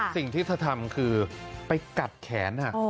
สิ่งที่เธอทำคือไปกัดแขน